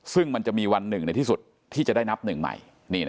ซึ่งมันจะมีวันหนึ่งในที่สุดที่จะได้นับหนึ่งใหม่